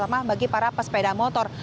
ramah bagi para pesepeda motor